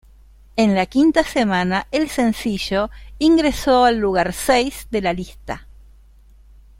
En la quinta semana, el sencillo ingresó al lugar seis de la lista.